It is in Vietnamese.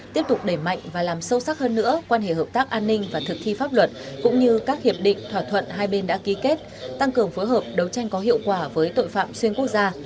tiếp tục đẩy mạnh và làm sâu sắc hơn nữa quan hệ hợp tác an ninh và thực thi pháp luật cũng như các hiệp định thỏa thuận hai bên đã ký kết tăng cường phối hợp đấu tranh có hiệu quả với tội phạm xuyên quốc gia